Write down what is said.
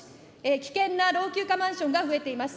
危険な老朽化マンションが増えています。